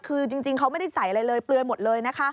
คือจริงเขาไม่ได้ใส่อะไรเลยเปลือยหมดเลยนะคะ